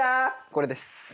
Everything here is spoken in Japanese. これです。